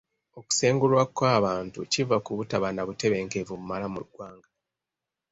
Okusengulwa kw'abantu kiva ku butaba na butebenkevu bumala mu ggwanga.